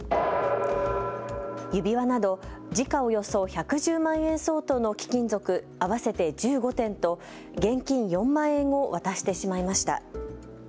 指輪など時価およそ１１０万円相当の貴金属合わせて１５点と現金４万円を渡してしまいました。